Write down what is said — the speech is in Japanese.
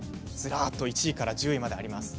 １位から１０位まであります。